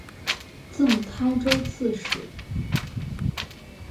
赠台州刺史。